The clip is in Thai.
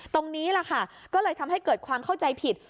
ตรงนี้แหละค่ะก็เลยทำให้เกิดความเข้าใจผิด